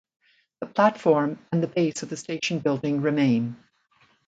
The platform and the base of the station building remain.